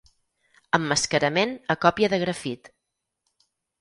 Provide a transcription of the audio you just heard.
Emmascarament a còpia de grafit.